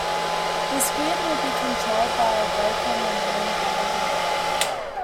The speed would be controlled by a brake on the main winding drum.